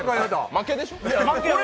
負けでしょ？